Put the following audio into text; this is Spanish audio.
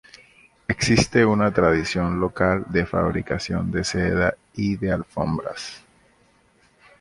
Existe una tradición local de fabricación de seda y de alfombras.